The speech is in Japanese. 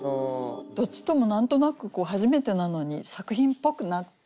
どっちとも何となく初めてなのに作品っぽくなった。